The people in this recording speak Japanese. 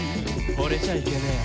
「ほれちゃいけねえ」